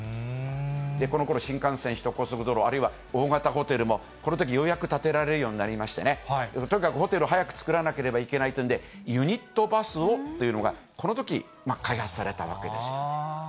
このころ、新幹線、首都高速道路、あるいは大型ホテルも、このときようやく建てられるようになりましてね、とにかくホテル、速く作らなければいけないということで、ユニットバスをというのが、このとき開発されたわけです。